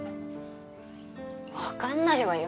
わかんないわよ。